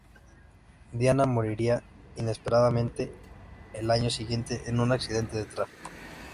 Diana moriría inesperadamente el año siguiente en un accidente de tráfico.